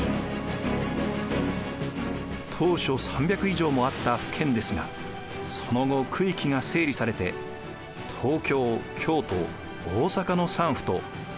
当初３００以上もあった府県ですがその後区域が整理されて東京京都大阪の３府と７２県になりました。